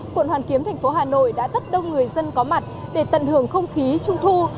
quận hoàn kiếm thành phố hà nội đã rất đông người dân có mặt để tận hưởng không khí trung thu